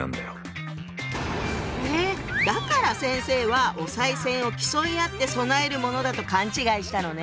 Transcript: えだから先生はお賽銭を競い合って供えるものだと勘違いしたのね。